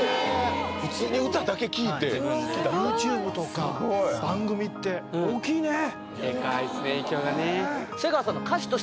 普通に歌だけ聴いてＹｏｕＴｕｂｅとかすごい番組って大きいねでかいっすね影響がね